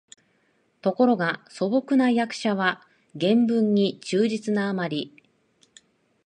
ところが素朴な訳者は原文に忠実なあまり、